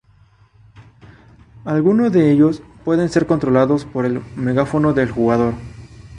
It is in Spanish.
Alguno de ellos pueden ser controlados por el megáfono del jugador.